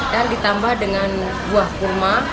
dan ditambah dengan buah kurma